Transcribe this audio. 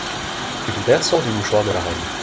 Gulliver sort du mouchoir de la reine.